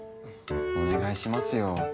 お願いしますよ。